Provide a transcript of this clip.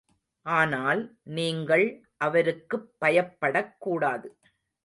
ஆனால், நீங்கள் அவருக்குப் பயப்படக் கூடாது.